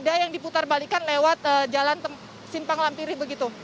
ada yang diputar balikan lewat jalan simpang lampiri begitu